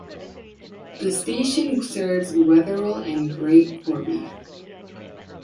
The station serves Wetheral and Great Corby.